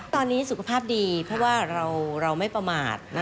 ตอนนี้สุขภาพดีเพราะว่าเราไม่ประมาท